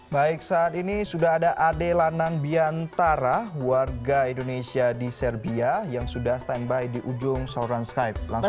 baik saat ini sudah ada ade lanang biantara warga indonesia di serbia yang sudah standby di ujung saluran skype